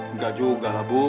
enggak juga lah bu